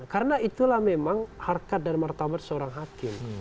karena itulah memang harkat dan martabat seorang hakim